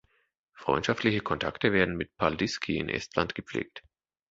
Freundschaftliche Kontakte werden mit Paldiski in Estland gepflegt.